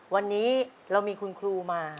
วันนี้เรามีคุณครูมา